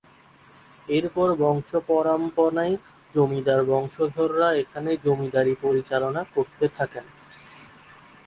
এরপর বংশপরামপণায় জমিদার বংশধররা এখানে জমিদারী পরিচালনা করতে থাকেন।